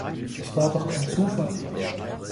Das war doch kein Zufall.